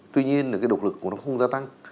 tuy nhiên là cái độc lực của nó không gia tăng